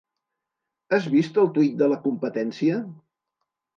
Has vist el tuit de la Competència?